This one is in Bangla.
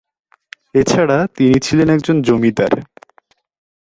এছাড়া তিনি ছিলেন একজন জমিদার।